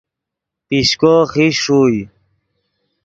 پیشکو خیش ݰوئے